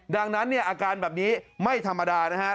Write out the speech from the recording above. ดังนั้นเนี่ยอาการแบบนี้ไม่ธรรมดานะฮะ